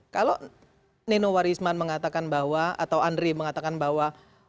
kalau nino warisman mengatakan bahwa atau andre mengatakan bahwa